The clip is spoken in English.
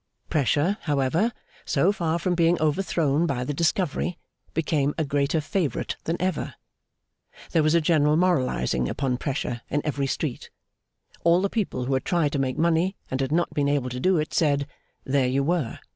Pressure, however, so far from being overthrown by the discovery, became a greater favourite than ever. There was a general moralising upon Pressure, in every street. All the people who had tried to make money and had not been able to do it, said, There you were!